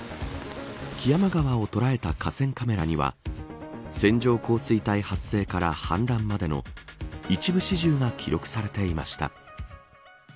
木山川を捉えた河川カメラには線状降水帯発生から氾濫までの一部始終が記録されていました